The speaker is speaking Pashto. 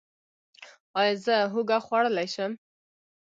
ایا زه هوږه خوړلی شم؟